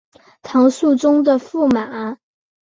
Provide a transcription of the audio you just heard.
唐肃宗的驸马。